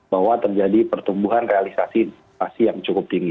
bahwa terjadi pertumbuhan realisasi yang cukup tinggi